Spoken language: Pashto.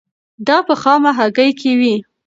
دا په خامه هګۍ کې وي.